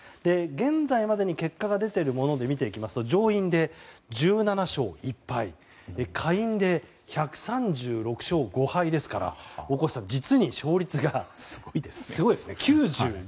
現在までに結果が出ているもので見ていきますと上院で１７勝１敗下院で１３６勝５敗ですから実に勝率がすごいですね。